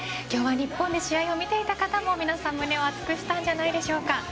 今日は日本で試合を見ていた方も皆さん胸を熱くしたんではないでしょうか。